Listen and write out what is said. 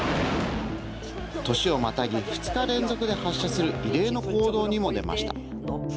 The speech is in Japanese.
年をまたぎ２日連続で発射する異例の行動にも出ました。